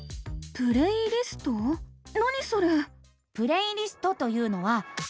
何それ？